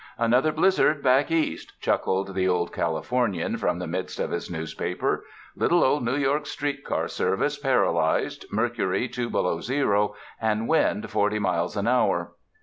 "Another blizzard back East," chuckled the old Calif ornian from the midst of his newspaper; ''little old New York's street car service paralyzed, mer cury two below zero, and wind forty miles an hour."